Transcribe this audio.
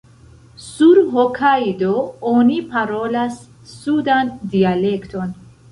Sur Hokajdo oni parolas sudan dialekton.